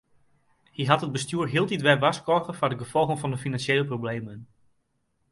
Hy hat it bestjoer hieltyd wer warskôge foar de gefolgen fan de finansjele problemen.